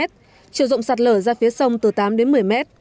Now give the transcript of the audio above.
trường rộng sạt lở ra phía sông từ tám đến một mươi m